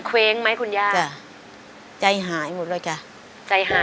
ขอบคุณครับ